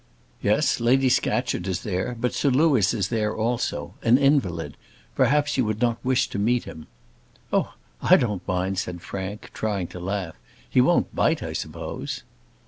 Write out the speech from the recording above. "Yes; Lady Scatcherd is there; but Sir Louis is there also an invalid: perhaps you would not wish to meet him." "Oh! I don't mind," said Frank, trying to laugh; "he won't bite, I suppose?"